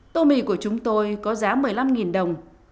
tô mì của chúng tôi có giá một mươi năm đồng